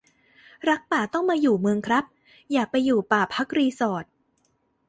รักป่าต้องมาอยู่เมืองครับ อย่าไปอยู่ป่าพักรีสอร์ต